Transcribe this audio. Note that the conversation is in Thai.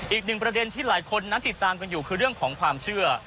อีกหนึ่งประเด็นที่หลายคนนั้นติดตามกันอยู่คือเรื่องของความเชื่อ